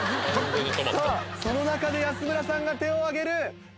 さぁその中で安村さんが手を挙げる！